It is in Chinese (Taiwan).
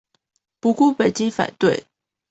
不顧北京反對